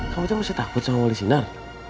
kamu itu masih takut sama wali sinar